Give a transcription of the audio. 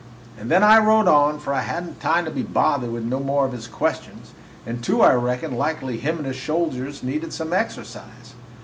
And then I rode on, for I had n't time to be bothered with no more of his questions, and, too, I reckoned likely him and his soldiers needed some exercise.